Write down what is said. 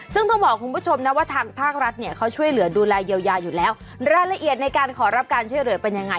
ซึ่งต้องบอกคุณผู้ชมนะว่าทางภาครัฐเนี่ยเขาช่วยเหลือดูแลเยียวยาอยู่แล้วรายละเอียดในการขอรับการช่วยเหลือเป็นยังไง